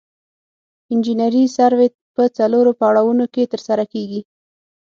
انجنیري سروې په څلورو پړاوونو کې ترسره کیږي